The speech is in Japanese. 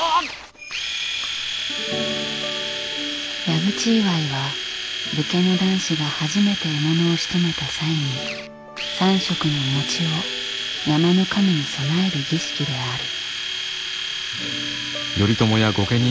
矢口祝いは武家の男子が初めて獲物をしとめた際に３色の餅を山の神に供える儀式である。